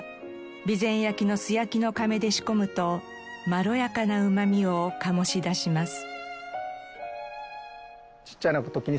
備前焼の素焼きのかめで仕込むとまろやかなうまみを醸し出します。